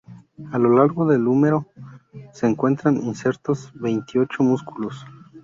A lo largo del húmero, se encuentran insertos veinticinco músculos.